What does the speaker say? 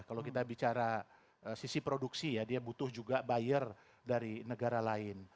kalau kita bicara sisi produksi ya dia butuh juga buyer dari negara lain